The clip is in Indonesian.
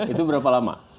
itu berapa lama